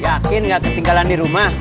yakin gak ketinggalan di rumah